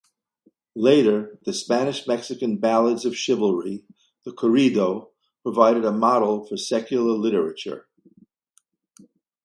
Later, the Spanish-Mexican ballads of chivalry, the corrido, provided a model for secular literature.